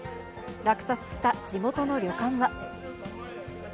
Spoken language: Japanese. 落札した地元の旅館は。